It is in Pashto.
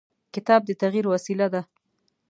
کتاب د تغیر وسیله ده.